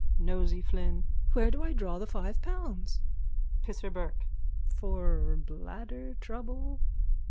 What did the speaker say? NOSEY FLYNN: Where do I draw the five pounds? PISSER BURKE: For bladder trouble?